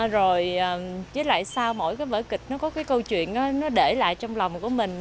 rồi với lại sao mỗi cái vở kịch nó có cái câu chuyện nó để lại trong lòng của mình